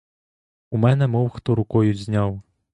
У мене мов хто рукою зняв.